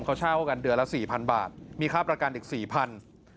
เขาเช่ากันเดือนละ๔๐๐บาทมีค่าประกันอีก๔๐๐บาท